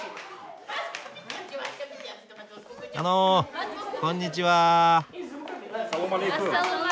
あのこんにちは。